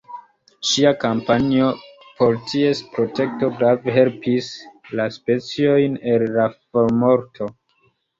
Ŝia kampanjo por ties protekto grave helpis savi la speciojn el la formorto.